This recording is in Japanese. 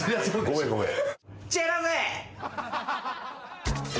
ごめんごめん。